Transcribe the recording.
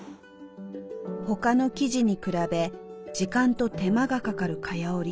他の生地に比べ時間と手間がかかる蚊帳織。